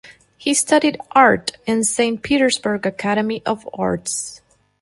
He studied art in Saint Petersburg Academy of Arts.